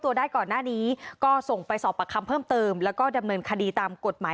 ตัวได้ก่อนหน้านี้ก็ส่งไปสอบประคำเพิ่มเติมแล้วก็ดำเนินคดีตามกฎหมาย